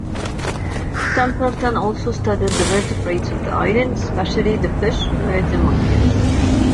Templeton also studied the vertebrates of the island, especially the fish, birds and monkeys.